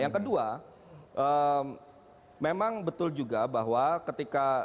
yang kedua memang betul juga bahwa ketika